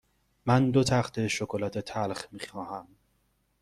من دو تخته شکلات تلخ می خواهم.